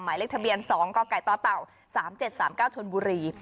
หมายเลขทะเบียน๒กกตเต่า๓๗๓๙ชนบุรี